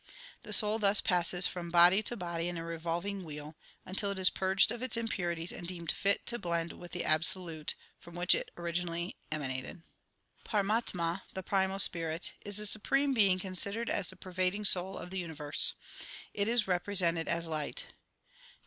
The soul thus passes from body to body in a revolving wheel, until it is purged of its im purities and deemed fit to blend with the Absolute, from which it originally emanated. Paramatama, the primal spirit, is the Supreme Being considered as the pervading soul of the universe. It is represented as light.